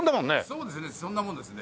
そうですねそんなもんですね。